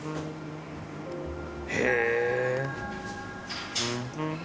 へえ！